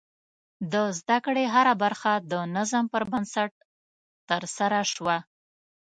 د زده کړې هره برخه د نظم پر بنسټ ترسره شوه.